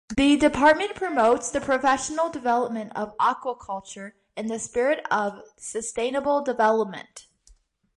The department promotes the professional development of aquaculture in the spirit of sustainable development.